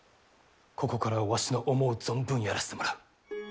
ここからわしの思う存分やらせてもらう。